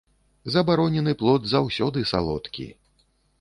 Забаронены плод заўсёды салодкі.